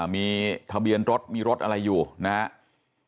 มีทะเบียนรถมีรถอะไรอยู่นะครับ